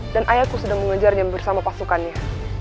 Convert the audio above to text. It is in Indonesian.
dan ayahku sedang mengejarnya bersama pasukannya